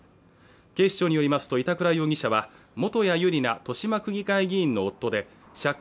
警視庁によりますと板倉容疑者は元谷ゆりな豊島区議会議員の夫で借金